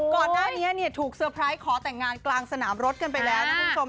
ก่อนหน้านี้ถูกเตอร์ไพรส์ขอแต่งงานกลางสนามรถกันไปแล้วนะคุณผู้ชม